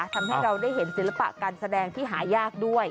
ทำให้เราได้เห็นศิลปะการแสดงที่หายากด้วย